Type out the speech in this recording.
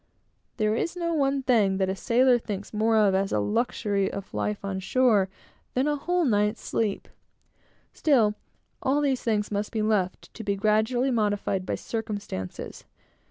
There is no one thing that a sailor thinks more of as a luxury of life on shore, than a whole night's sleep. Still, all these things must be left to be gradually modified by circumstances.